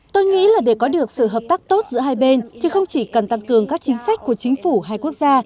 tôi nghĩ là để có được sự hợp tác tốt giữa hai bên thì không chỉ cần tăng cường các chính sách của chính phủ hai quốc gia